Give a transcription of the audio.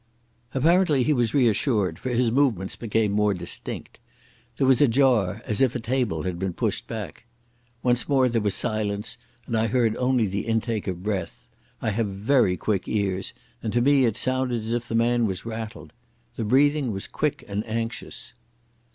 Apparently he was reassured, for his movements became more distinct. There was a jar as if a table had been pushed back. Once more there was silence, and I heard only the intake of breath. I have very quick ears, and to me it sounded as if the man was rattled. The breathing was quick and anxious.